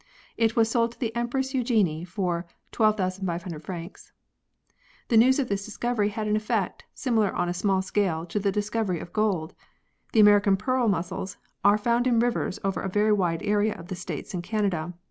It was sold to the Empress Eugenie for 12,500 francs. The news of this discovery had an effect, similar on a small scale, to the discovery of gold. The American pearl mussels are found in rivers over a very wide area of the States and Canada.